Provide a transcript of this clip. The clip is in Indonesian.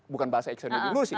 bukan bahasa eksenilusi